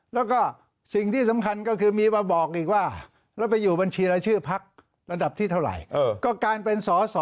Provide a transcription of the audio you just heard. แล้วก็สิ่งที่สำคัญก็คือมีมาบอกอีกว่าแล้วไปอยู่บัญชีรายชื่อพักระดับที่เท่าไหร่ก็การเป็นสอสอ